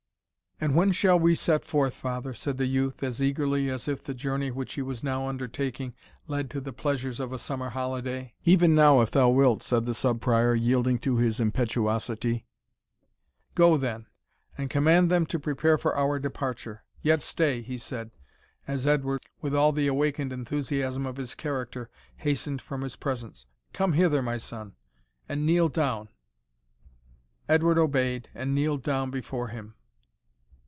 "And when shall we set forth, father?" said the youth, as eagerly as if the journey which he was now undertaking led to the pleasures of a summer holiday. "Even now, if thou wilt," said the Sub Prior, yielding to his impetuosity "go, then, and command them to prepare for our departure. Yet stay," he said, as Edward, with all the awakened enthusiasm of his character, hastened from his presence, "come hither, my son, and kneel down." Edward obeyed, and kneeled down before him.